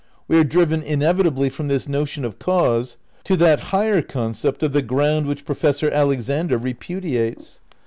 We are driven inevitably from this notion of cause to that higher concept of the ground which Professor Alexander repudiates.